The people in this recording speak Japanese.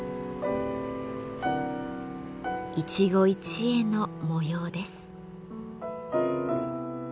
一期一会の模様です。